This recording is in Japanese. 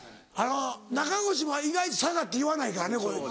中越も意外と「佐賀」って言わないからね。